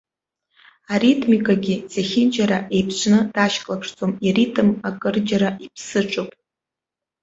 Аритмикагьы зегьынџьара еиԥшны дашьклаԥшӡом, иритм акырџьара иԥсыҽуп.